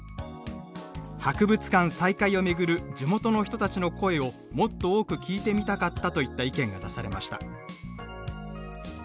「博物館再開を巡る地元の人たちの声をもっと多く聞いてみたかった」といった意見が出されました。